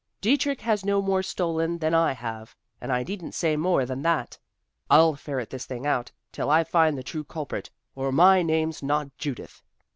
Dietrich has no more stolen than I have, and I needn't say more than that. I'll ferret this thing out, till I find the true culprit, or my name's not Judith."